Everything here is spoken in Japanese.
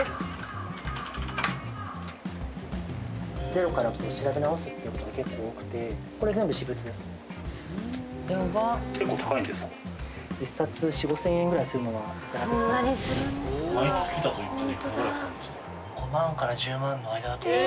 ゼロから調べ直すっていうことが結構多くて結構高いんですか？